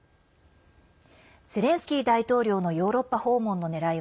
ゼレンスキー大統領のヨーロッパ訪問の狙いは